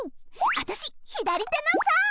あたしひだりてのさー！